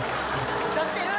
歌ってる？